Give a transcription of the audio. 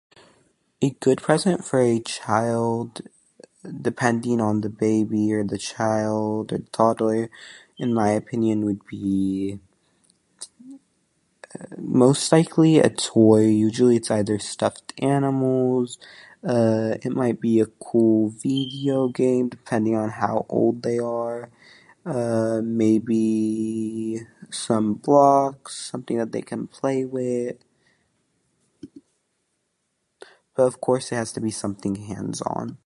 It- a present for a child, depending on the baby or the child or toddler, in my opinion would be, uh, most likely a toy. Usually it's either stuffed animals, uh, it might be a cool video game depending on how old they are. Uh, maybe some blocks, something that they can play with. But, of course, it has to be something hands-on.